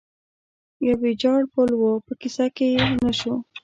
یو ویجاړ پل و، په کیسه کې یې نه شو.